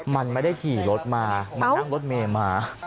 มันไม่ได้ขี่รถมามันนั่งรถเมย์มา